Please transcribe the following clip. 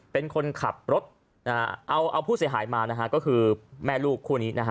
เป็นคนขับรถนะฮะเอาผู้เสียหายมานะฮะก็คือแม่ลูกคู่นี้นะฮะ